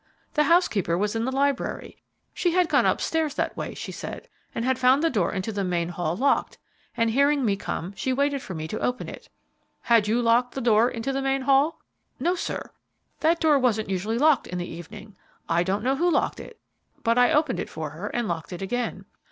"The housekeeper was in the library. She had gone up stairs that way, she said, and had found the door into the main hall locked, and hearing me come, she waited for me to open it." "Had you locked the door into the main hall?" "No, sir; that door wasn't usually locked in the evening. I don't know who locked it, but I opened it for her and then locked it again."